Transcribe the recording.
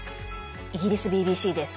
イギリスＢＢＣです。